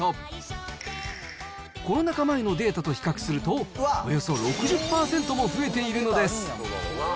コロナ禍前のデータと比較すると、およそ６０％も増えているのです。